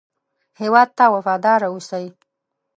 هېواد ته وفاداره اوسئ